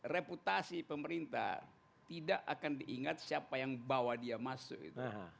reputasi pemerintah tidak akan diingat siapa yang bawa dia masuk itu